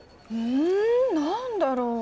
ん何だろう？